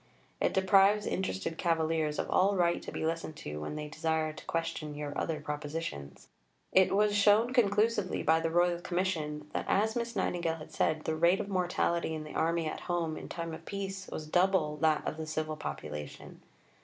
It deprives interested cavillers of all right to be listened to when they desire to question your other propositions." It was shown conclusively by the Royal Commission that, as Miss Nightingale had said, the rate of mortality in the Army at home in time of peace was double that of the civil population.